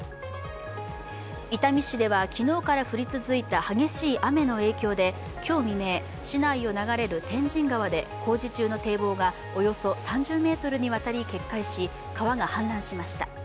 伊丹市では昨日から降り続いた激しい雨の影響で今日未明、市内を流れる天神川で工事中の堤防がおよそ３０ｍにわたり決壊し、川が氾濫しました。